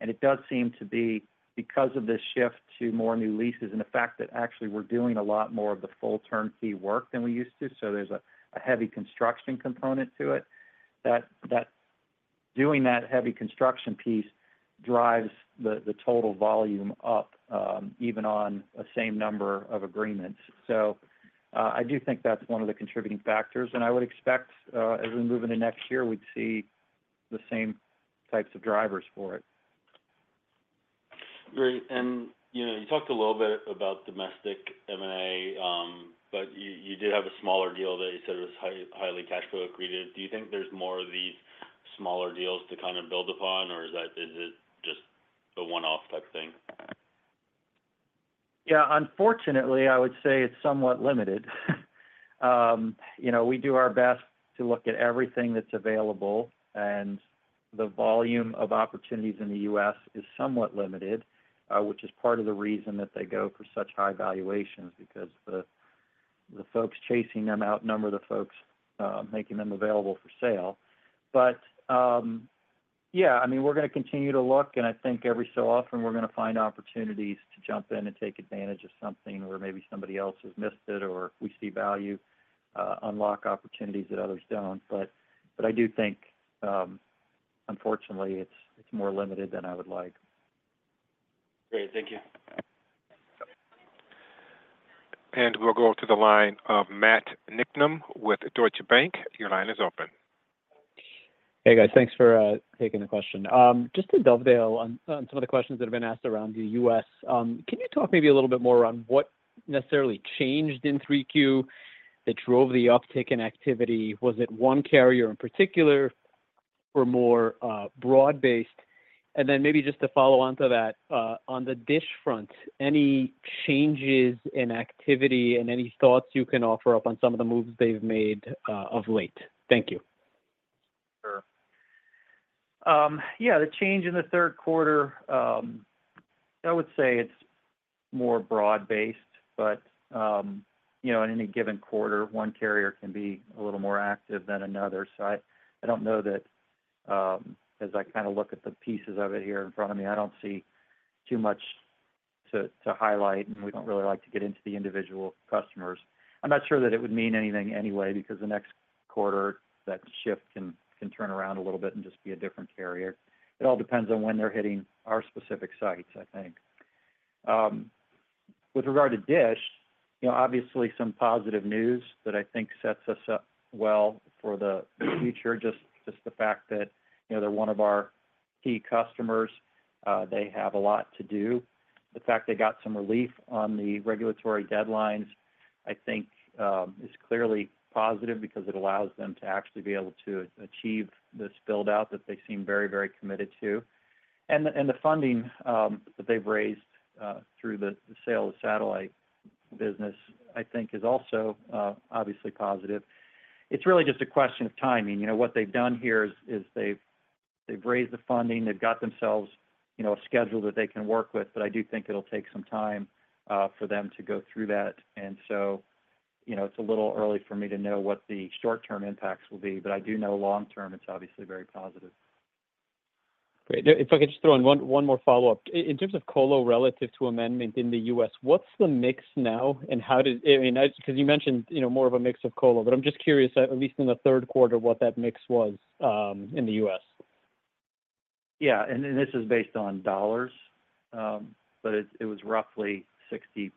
and it does seem to be because of this shift to more new leases and the fact that actually we're doing a lot more of the full turnkey work than we used to, so there's a heavy construction component to it. That, doing that heavy construction piece drives the total volume up, even on a same number of agreements. I do think that's one of the contributing factors, and I would expect, as we move into next year, we'd see the same types of drivers for it. Great. And, you know, you talked a little bit about domestic M&A, but you did have a smaller deal that you said was highly cash flow accretive. Do you think there's more of these smaller deals to kind of build upon, or is it just a one-off type thing? Yeah. Unfortunately, I would say it's somewhat limited. You know, we do our best to look at everything that's available, and the volume of opportunities in the U.S. is somewhat limited, which is part of the reason that they go for such high valuations, because the folks chasing them outnumber the folks making them available for sale. But, yeah, I mean, we're gonna continue to look, and I think every so often we're gonna find opportunities to jump in and take advantage of something, or maybe somebody else has missed it, or we see value unlock opportunities that others don't. But I do think, unfortunately, it's more limited than I would like. Great. Thank you. We'll go to the line of Matt Niknam with Deutsche Bank. Your line is open. Hey, guys. Thanks for taking the question. Just to dovetail on some of the questions that have been asked around the U.S., can you talk maybe a little bit more around what necessarily changed in 3Q that drove the uptick in activity? Was it one carrier in particular or more broad based? And then maybe just to follow on to that, on the DISH front, any changes in activity and any thoughts you can offer up on some of the moves they've made of late? Thank you. Sure. Yeah, the change in the third quarter, I would say it's more broad based, but, you know, in any given quarter, one carrier can be a little more active than another. So I don't know that, as I kind of look at the pieces of it here in front of me, I don't see too much to highlight, and we don't really like to get into the individual customers. I'm not sure that it would mean anything anyway, because the next quarter, that shift can turn around a little bit and just be a different carrier. It all depends on when they're hitting our specific sites, I think. With regard to DISH, you know, obviously some positive news that I think sets us up well for the future, just the fact that, you know, they're one of our key customers. They have a lot to do. The fact they got some relief on the regulatory deadlines, I think, is clearly positive because it allows them to actually be able to achieve this build-out that they seem very, very committed to. And the funding that they've raised through the sale of satellite business, I think is also obviously positive. It's really just a question of timing. You know, what they've done here is they've raised the funding, they've got themselves, you know, a schedule that they can work with, but I do think it'll take some time for them to go through that. And so, you know, it's a little early for me to know what the short-term impacts will be, but I do know long term, it's obviously very positive. Great. If I could just throw in one more follow-up. In terms of colo relative to amendment in the U.S., what's the mix now and how does... I mean, because you mentioned, you know, more of a mix of colo, but I'm just curious, at least in the third quarter, what that mix was in the U.S. Yeah, and this is based on dollars, but it was roughly 60%,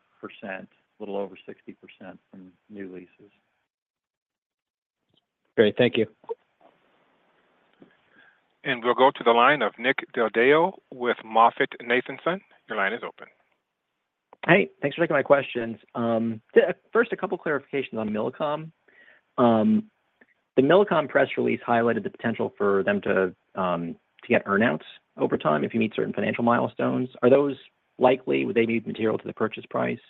a little over 60% from new leases. Great. Thank you. And we'll go to the line of Nick Del Deo with MoffettNathanson. Your line is open. Hey, thanks for taking my questions. First, a couple clarifications on Millicom. The Millicom press release highlighted the potential for them to get earn-outs over time if you meet certain financial milestones. Are those likely, would they be material to the purchase price?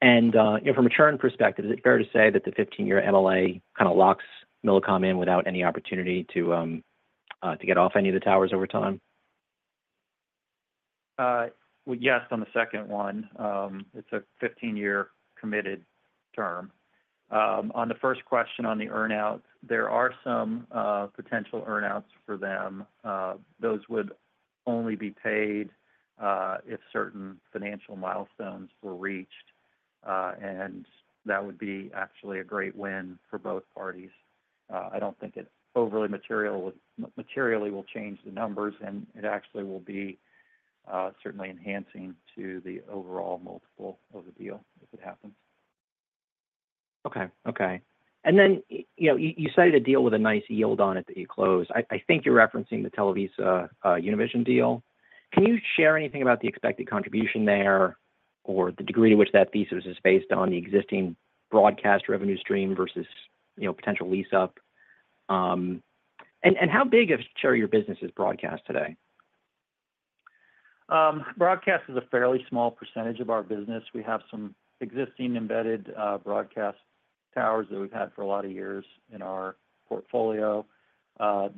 And, you know, from a churn perspective, is it fair to say that the 15-year MLA kind of locks Millicom in without any opportunity to get off any of the towers over time? Well, yes, on the second one, it's a fifteen-year committed term. On the first question on the earn-out, there are some potential earn-outs for them. Those would only be paid if certain financial milestones were reached, and that would be actually a great win for both parties. I don't think it overly materially will change the numbers, and it actually will be certainly enhancing to the overall multiple of the deal if it happens. Okay. And then, you know, you cited a deal with a nice yield on it that you closed. I think you're referencing the TelevisaUnivision deal. Can you share anything about the expected contribution there, or the degree to which that thesis is based on the existing broadcast revenue stream versus, you know, potential lease-up? And how big of share of your business is broadcast today? Broadcast is a fairly small percentage of our business. We have some existing embedded broadcast towers that we've had for a lot of years in our portfolio.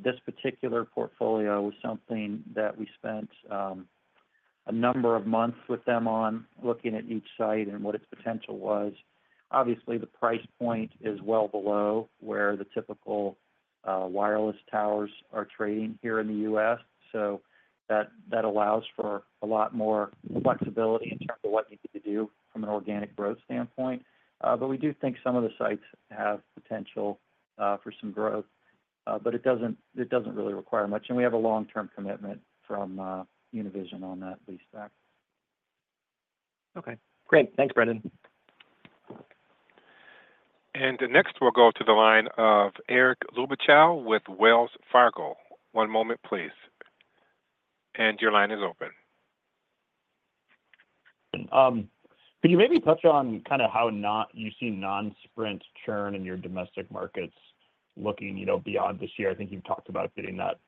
This particular portfolio was something that we spent a number of months with them on, looking at each site and what its potential was. Obviously, the price point is well below where the typical wireless towers are trading here in the U.S., so that allows for a lot more flexibility in terms of what you could do from an organic growth standpoint. But we do think some of the sites have potential for some growth, but it doesn't really require much, and we have a long-term commitment from Univision on that leaseback. Okay, great. Thanks, Brendan. Next, we'll go to the line of Eric Luebchow with Wells Fargo. One moment, please. Your line is open. Can you maybe touch on kind of how you see non-Sprint churn in your domestic markets looking, you know, beyond this year? I think you've talked about getting that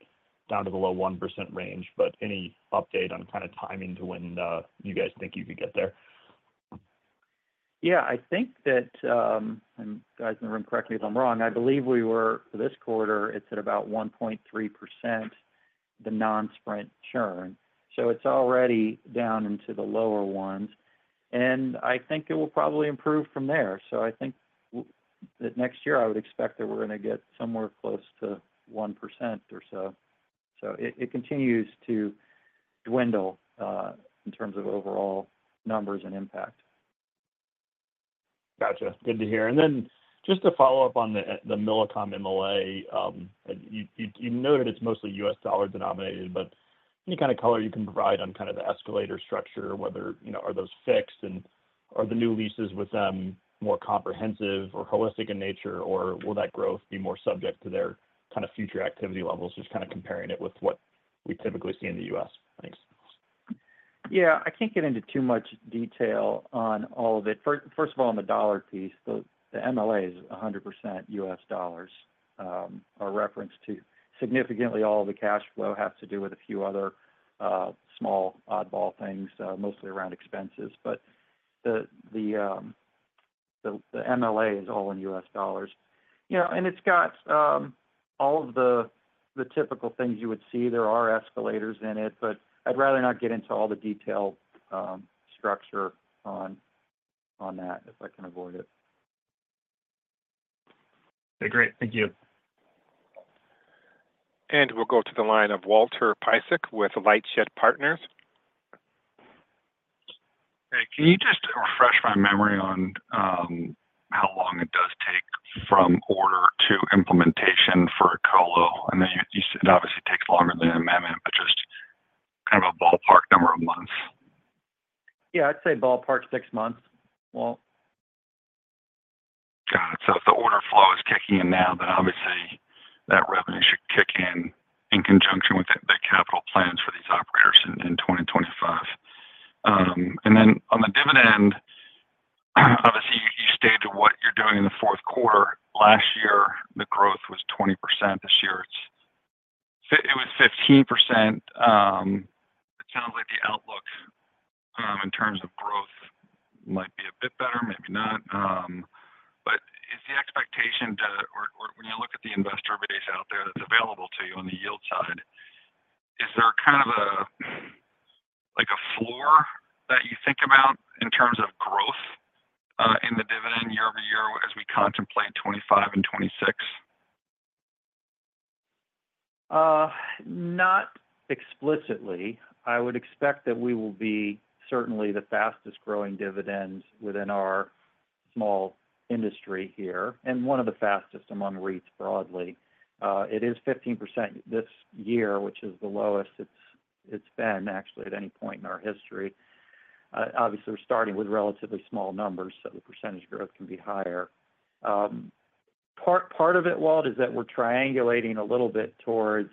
down to the low 1% range, but any update on kind of timing to when, you guys think you could get there? Yeah, I think that, and guys in the room, correct me if I'm wrong. I believe we were, for this quarter, it's at about 1.3%, the non-Sprint churn. So it's already down into the lower ones, and I think it will probably improve from there. So I think that next year, I would expect that we're gonna get somewhere close to 1% or so. So it, it continues to dwindle, in terms of overall numbers and impact. Gotcha. Good to hear. And then, just to follow up on the Millicom MLA, you know that it's mostly U.S. dollar denominated, but any kind of color you can provide on kind of the escalator structure, whether, you know, are those fixed, and are the new leases with them more comprehensive or holistic in nature, or will that growth be more subject to their kind of future activity levels? Just kind of comparing it with what we typically see in the U.S. Thanks. Yeah, I can't get into too much detail on all of it. First of all, on the dollar piece, the MLA is 100% U.S. dollars are referenced to. Significantly, all the cash flow has to do with a few other small oddball things, mostly around expenses. But the MLA is all in U.S. dollars. You know, and it's got all of the typical things you would see. There are escalators in it, but I'd rather not get into all the detailed structure on that, if I can avoid it. Okay, great. Thank you. And we'll go to the line of Walter Piecyk with LightShed Partners. Hey, can you just refresh my memory on how long it does take from order to implementation for a colo? I know you said it obviously takes longer than an amendment, but just kind of a ballpark number of months. Yeah, I'd say ballpark six months, Walt. Got it. So if the order flow is kicking in now, then obviously, that revenue should kick in, in conjunction with the capital plans for these operators in 2025. And then on the dividend, obviously, you stated what you're doing in the fourth quarter. Last year, the growth was 20%. This year, it was 15%. It sounds like the outlook in terms of growth might be a bit better, maybe not. But is the expectation, or when you look at the investor base out there that's available to you on the yield side, is there kind of a, like, a floor that you think about in terms of growth in the dividend year over year as we contemplate 2025 and 2026? Not explicitly. I would expect that we will be certainly the fastest-growing dividends within our small industry here, and one of the fastest among REITs broadly. It is 15% this year, which is the lowest it's been actually at any point in our history. Obviously, we're starting with relatively small numbers, so the percentage growth can be higher. Part of it, Walt, is that we're triangulating a little bit towards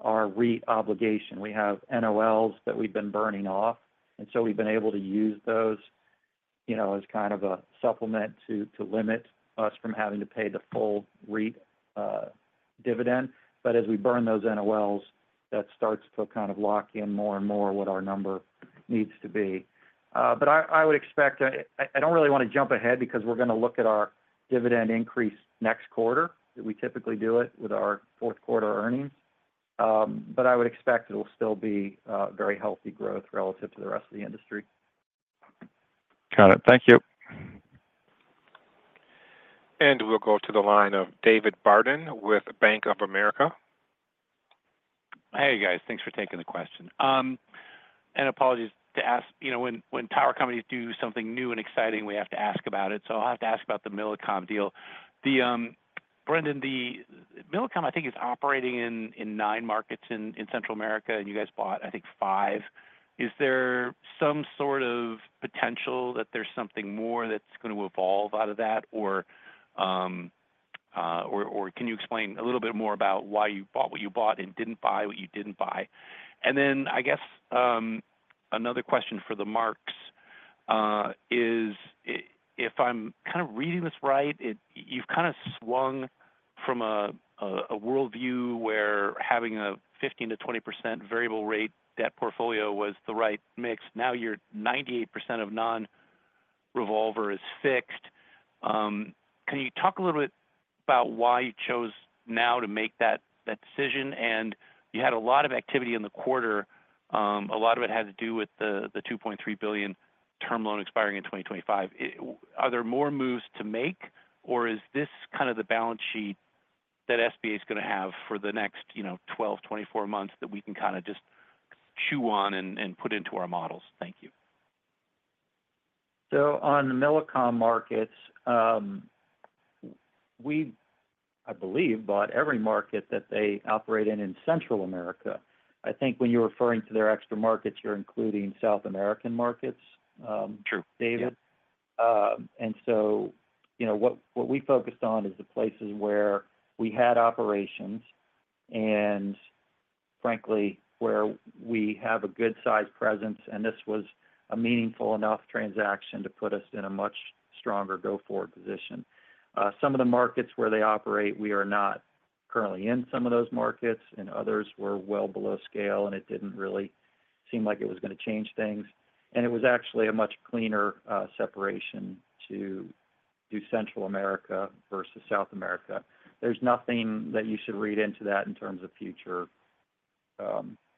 our REIT obligation. We have NOLs that we've been burning off, and so we've been able to use those, you know, as kind of a supplement to limit us from having to pay the full REIT dividend. But as we burn those NOLs, that starts to kind of lock in more and more what our number needs to be. But I would expect, I don't really want to jump ahead because we're gonna look at our dividend increase next quarter, that we typically do it with our fourth quarter earnings. But I would expect it'll still be very healthy growth relative to the rest of the industry. Got it. Thank you. We'll go to the line of David Barden with Bank of America. Hey, you guys. Thanks for taking the question, and apologies to ask, you know, when power companies do something new and exciting, we have to ask about it, so I'll have to ask about the Millicom deal. Brendan, the Millicom, I think, is operating in nine markets in Central America, and you guys bought, I think, five. Is there some sort of potential that there's something more that's going to evolve out of that? Or can you explain a little bit more about why you bought what you bought and didn't buy what you didn't buy? And then, I guess, another question for the Marc, is, if I'm kind of reading this right, you've kind of swung from a worldview where having a 15% to 20% variable rate, that portfolio was the right mix. Now, you're 98% of non-revolver is fixed. Can you talk a little bit about why you chose now to make that decision? And you had a lot of activity in the quarter, a lot of it had to do with the $2.3 billion term loan expiring in 2025. Are there more moves to make, or is this kind of the balance sheet that SBA is gonna have for the next, you know, 12 to 24 months that we can kind of just chew on and put into our models? Thank you. So on the Millicom markets, we, I believe, bought every market that they operate in, in Central America. I think when you're referring to their extra markets, you're including South American markets. True David, and so, you know, what, what we focused on is the places where we had operations and frankly, where we have a good size presence, and this was a meaningful enough transaction to put us in a much stronger go-forward position. Some of the markets where they operate, we are not currently in some of those markets, and others we're well below scale, and it didn't really seem like it was gonna change things, and it was actually a much cleaner separation to do Central America versus South America. There's nothing that you should read into that in terms of future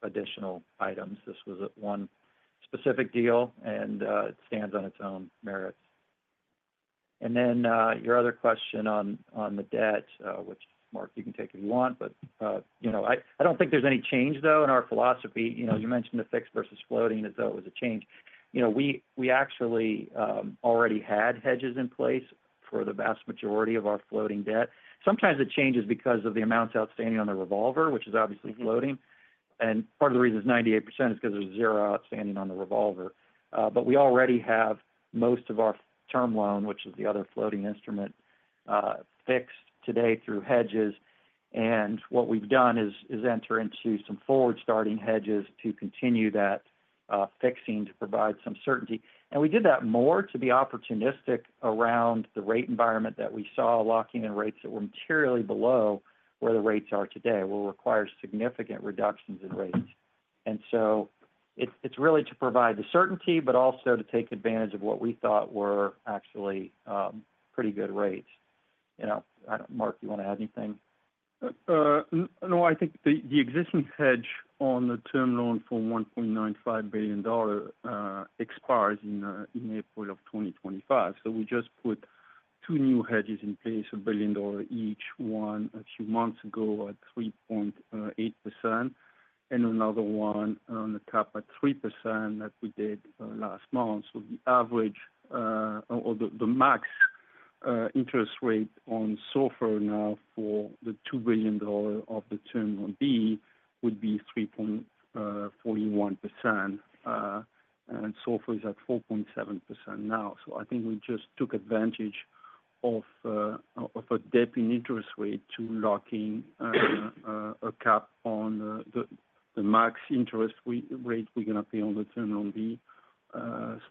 additional items. This was a one specific deal, and it stands on its own merits. And then, your other question on the debt, which, Marc, you can take if you want, but you know, I don't think there's any change, though, in our philosophy. You know, you mentioned the fixed versus floating as though it was a change. You know, we actually already had hedges in place for the vast majority of our floating debt. Sometimes it changes because of the amounts outstanding on the revolver, which is obviously floating. And part of the reason is 98%, because there's zero outstanding on the revolver. But we already have most of our term loan, which is the other floating instrument, fixed today through hedges. And what we've done is enter into some forward-starting hedges to continue that fixing to provide some certainty. We did that more to be opportunistic around the rate environment that we saw, locking in rates that were materially below where the rates are today, will require significant reductions in rates. So it's really to provide the certainty, but also to take advantage of what we thought were actually pretty good rates. You know, I don't, Marc, you want to add anything? No, I think the existing hedge on the term loan for $1.95 billion expires in April 2025. So we just put two new hedges in place, $1 billion each one a few months ago at 3.8%, and another one on the cap at 3% that we did last month. So the average or the max interest rate on SOFR now for the $2 billion of the Term Loan B would be 3.41%, and SOFR is at 4.7% now. So I think we just took advantage of a dip in interest rate to lock in a cap on the max interest rate we're gonna pay on the Term Loan B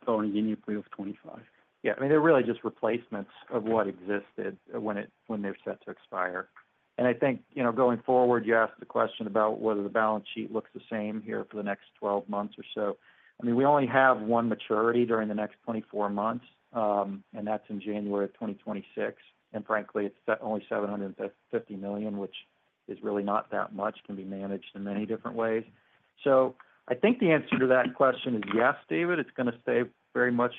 starting in April of 2025. Yeah, I mean, they're really just replacements of what existed when they're set to expire. And I think, you know, going forward, you asked the question about whether the balance sheet looks the same here for the next twelve months or so. I mean, we only have one maturity during the next twenty-four months, and that's in January 2026. And frankly, it's only $750 million, which is really not that much, can be managed in many different ways. So I think the answer to that question is yes, David, it's gonna stay very much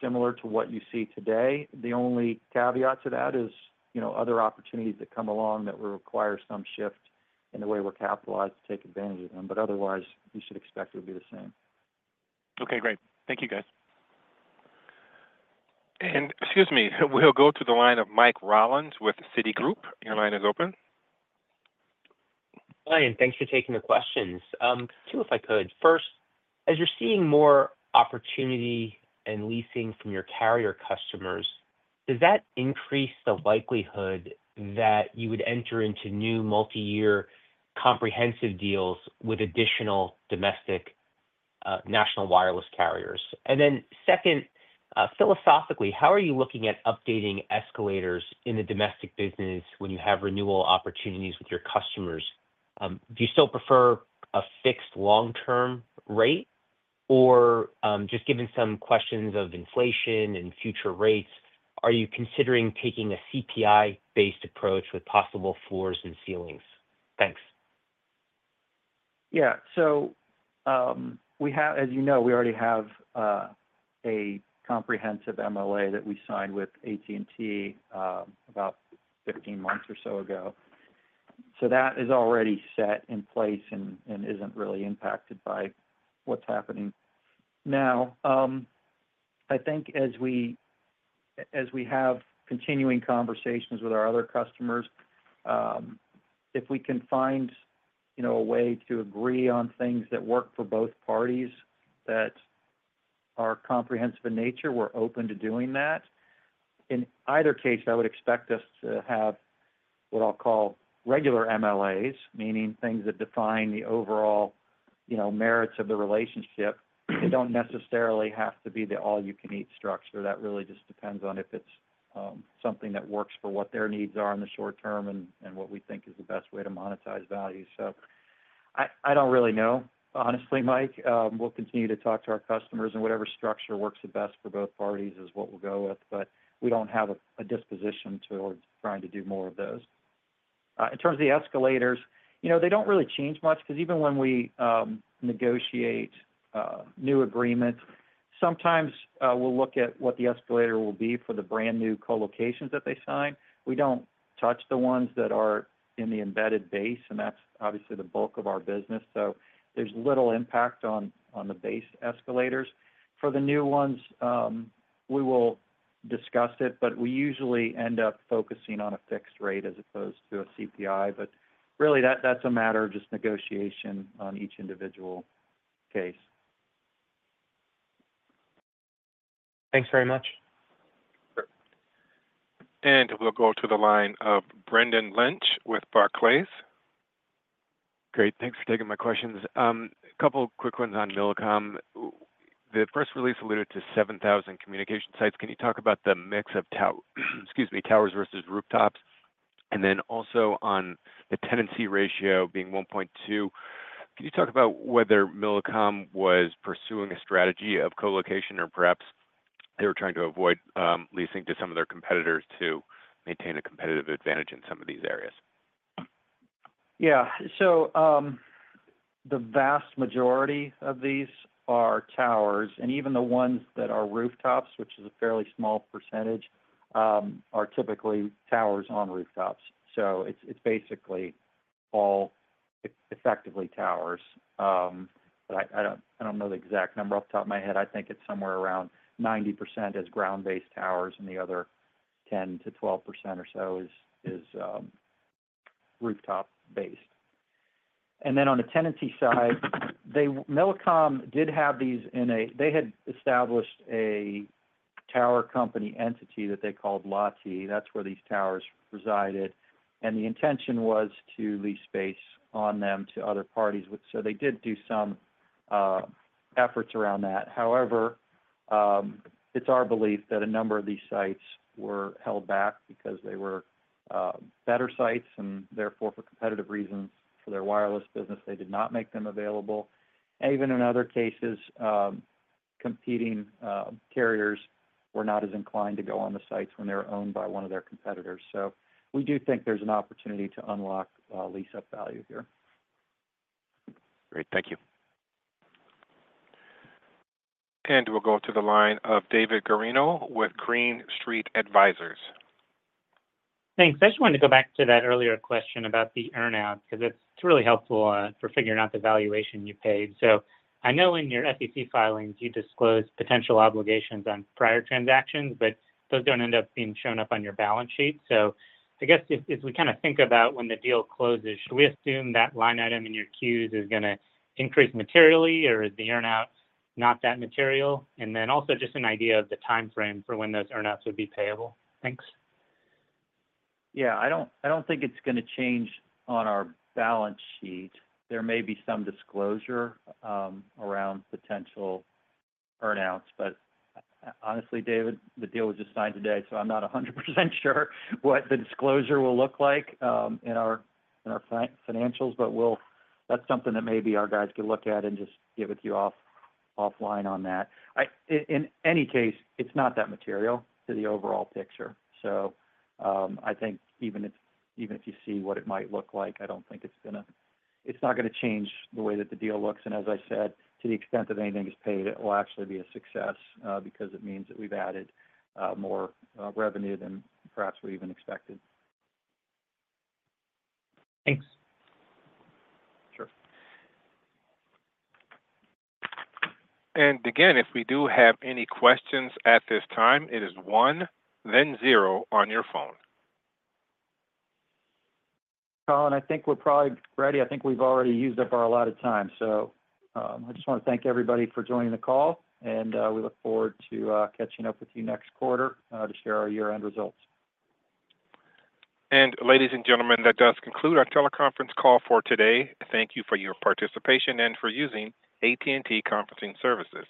similar to what you see today. The only caveat to that is, you know, other opportunities that come along that will require some shift in the way we're capitalized to take advantage of them, but otherwise, you should expect it to be the same. Okay, great. Thank you, guys. Excuse me, we'll go to the line of Mike Rollins with Citigroup. Your line is open. Hi, and thanks for taking the questions. Two, if I could. First, as you're seeing more opportunity and leasing from your carrier customers. Does that increase the likelihood that you would enter into new multi-year comprehensive deals with additional domestic national wireless carriers? And then second, philosophically, how are you looking at updating escalators in the domestic business when you have renewal opportunities with your customers? Do you still prefer a fixed long-term rate? Or, just given some questions of inflation and future rates, are you considering taking a CPI-based approach with possible floors and ceilings? Thanks. Yeah. So we have, as you know, we already have a comprehensive MLA that we signed with AT&T about fifteen months or so ago. So that is already set in place and isn't really impacted by what's happening now. I think as we have continuing conversations with our other customers, if we can find, you know, a way to agree on things that work for both parties that are comprehensive in nature, we're open to doing that. In either case, I would expect us to have what I'll call regular MLAs, meaning things that define the overall, you know, merits of the relationship. They don't necessarily have to be the all you can eat structure. That really just depends on if it's something that works for what their needs are in the short term and what we think is the best way to monetize value. So I don't really know, honestly, Mike. We'll continue to talk to our customers, and whatever structure works the best for both parties is what we'll go with, but we don't have a disposition towards trying to do more of those. In terms of the escalators, you know, they don't really change much, 'cause even when we negotiate new agreements, sometimes we'll look at what the escalator will be for the brand-new co-locations that they sign. We don't touch the ones that are in the embedded base, and that's obviously the bulk of our business, so there's little impact on the base escalators. For the new ones, we will discuss it, but we usually end up focusing on a fixed rate as opposed to a CPI. But really, that, that's a matter of just negotiation on each individual case. Thanks very much. Sure. And we'll go to the line of Brendan Lynch with Barclays. Great, thanks for taking my questions. A couple quick ones on Millicom. The first release alluded to seven thousand communication sites. Can you talk about the mix of towers versus rooftops? And then also on the tenancy ratio being one point two, can you talk about whether Millicom was pursuing a strategy of co-location, or perhaps they were trying to avoid leasing to some of their competitors to maintain a competitive advantage in some of these areas? Yeah. So, the vast majority of these are towers, and even the ones that are rooftops, which is a fairly small percentage, are typically towers on rooftops. So it's basically all effectively towers. But I don't know the exact number off the top of my head. I think it's somewhere around 90% is ground-based towers, and the other 10-12% or so is rooftop-based. And then on the tenancy side, they Millicom did have these in a. They had established a tower company entity that they called LATI. That's where these towers resided, and the intention was to lease space on them to other parties, which so they did do some efforts around that. However, it's our belief that a number of these sites were held back because they were better sites, and therefore, for competitive reasons for their wireless business, they did not make them available. Even in other cases, competing carriers were not as inclined to go on the sites when they were owned by one of their competitors. So we do think there's an opportunity to unlock lease-up value here. Great. Thank you. We'll go to the line of David Guarino with Green Street Advisors. Thanks. I just wanted to go back to that earlier question about the earn-out, because it's really helpful for figuring out the valuation you paid. So I know in your FCC filings, you disclosed potential obligations on prior transactions, but those don't end up being shown up on your balance sheet. So I guess if we kind of think about when the deal closes, should we assume that line item in your queues is gonna increase materially, or is the earn-out not that material? And then also just an idea of the timeframe for when those earn-outs would be payable. Thanks. Yeah, I don't think it's gonna change on our balance sheet. There may be some disclosure around potential earn-outs, but honestly, David, the deal was just signed today, so I'm not 100% sure what the disclosure will look like in our financials. That's something that maybe our guys could look at and just give a call offline on that. In any case, it's not that material to the overall picture. So I think even if you see what it might look like, I don't think it's gonna change the way that the deal looks. And as I said, to the extent that anything is paid, it will actually be a success because it means that we've added more revenue than perhaps we even expected. Thanks. Sure. Again, if we do have any questions at this time, it is one then zero on your phone. Colin, I think we're probably ready. I think we've already used up our allotted time. So, I just want to thank everybody for joining the call, and we look forward to catching up with you next quarter to share our year-end results. Ladies and gentlemen, that does conclude our teleconference call for today. Thank you for your participation and for using AT&T Conferencing Services.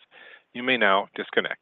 You may now disconnect.